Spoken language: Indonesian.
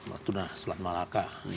natuna selat malaka